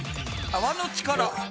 泡の力。